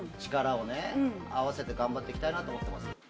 力を合わせて頑張って行きたいなと思ってます。